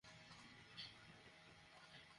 সত্যিই তুমি ওর সাথে দেখা করতে চাও?